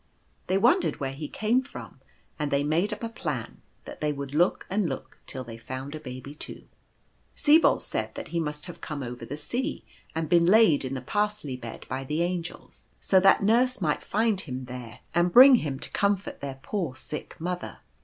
They wondered where he came from, and they made up a plan that they would look and look till they found a baby too. Sibold said that he must have come over the sea, and been laid in the parsley bed by the Angels, so that nurse might find him there and bring 1 66 The Tiger lily. him to comfort their poor sick mother.